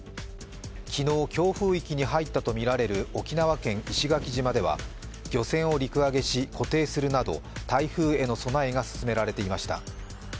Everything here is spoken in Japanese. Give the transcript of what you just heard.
昨日強風域に入ったとみられる沖縄県石垣島では漁船を陸揚げし、固定するなど台風への備えが進められていました。